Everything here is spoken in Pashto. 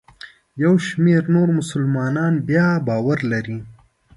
یو شمېر نور مسلمانان بیا باور لري.